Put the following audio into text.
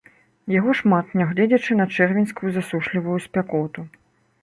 Яго шмат, нягледзячы на чэрвеньскую засушлівую спякоту.